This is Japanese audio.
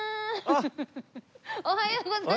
おはようございます。